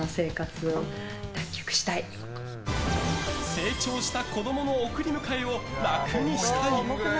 成長した子供の送り迎えを楽にしたい。